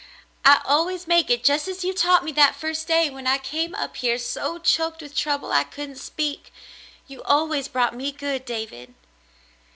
"I always make it just as you taught me that first day when I came up here so choked with trouble I couldn't speak. You always brought me good, David."